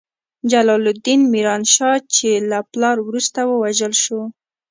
جلال الدین میران شاه، چې له پلار وروسته ووژل شو.